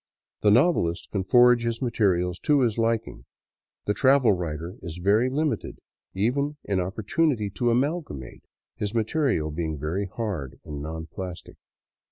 The novelist can forge his materials to his liking ; the travel writer is very limited, even in opportunity to amalgamate, his material being very hard and non plastic.